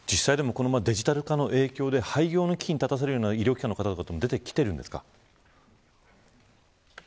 実際デジタル化の影響で廃業の危機に立たされる医療機関も出てきているんですか。